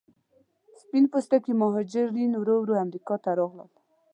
سپین پوستکي مهاجرین ورو ورو امریکا ته راغلل.